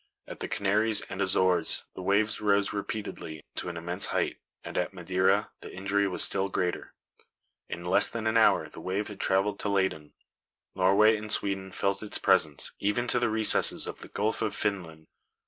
At the Canaries and Azores the waves rose repeatedly to an immense height; and at Madeira the injury was still greater. In less than an hour the wave had traveled to Leyden. Norway and Sweden felt its presence, even to the recesses of the Gulf of Finland.